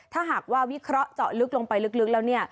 ถ้าหากว่าวิเคราะห์เจาะลึกลงไปลึกแล้วเนี่ย